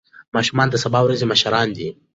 ماشومان د سبا ورځې مشران دي.